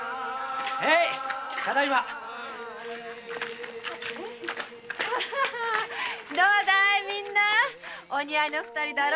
へぇいただいまどうだいみんなお似合いの二人だろ。